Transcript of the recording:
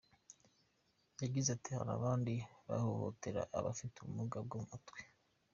Yagize ati “Hari abandi bahohotera abafite ubumuga bwo mu mutwe.